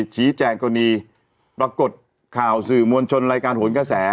ชี้แจงกรณีปรากฏข่าวสื่อมวลชนรายการโหนกระแส